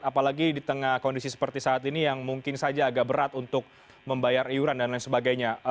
apalagi di tengah kondisi seperti saat ini yang mungkin saja agak berat untuk membayar iuran dan lain sebagainya